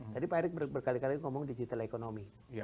tadi pak erick berkali kali ngomong digital economy